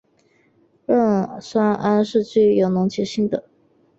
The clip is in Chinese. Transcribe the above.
壬酸铵是具有溶解性的。